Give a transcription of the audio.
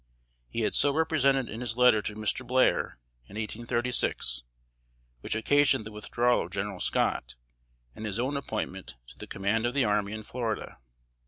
He had so represented in his letter to Mr. Blair, in 1836, which occasioned the withdrawal of General Scott, and his own appointment to the command of the army in Florida.